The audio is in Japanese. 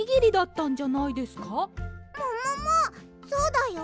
そうだよ。